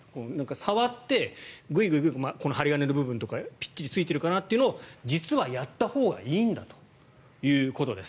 触ってグイグイ、この針金の部分とかをぴっちりついているかを実はやったほうがいいんだということです。